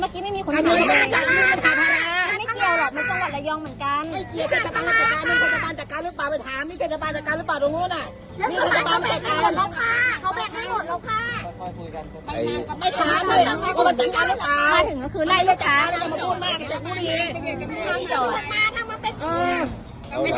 มันเถียวไม่ได้แล้วค่ะนัวกลดมาก็มาถาวนอ่ะ